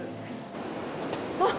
あっ！